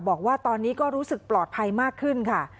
บอกว่าตอนนี้ก็รู้สึกปลอดภัยมากขึ้นค่ะ